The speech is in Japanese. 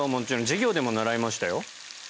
授業でも習いましたよ。